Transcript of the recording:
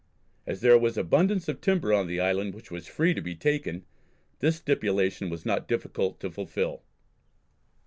As there was abundance of timber on the island which was free to be taken, this stipulation was not difficult to fulfil.